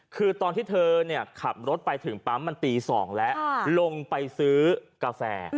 คือตอนที่เธอขับรถไปถึงปั๊มมันตี๒แล้วลงไปซื้อกาแฟ